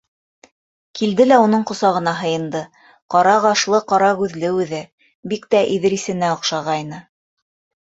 Килде лә уның ҡосағына һыйынды, ҡара ҡашлы, ҡара күҙле үҙе, бик тә Иҙрисенә оҡшағайны.